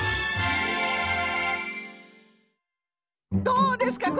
どうですか？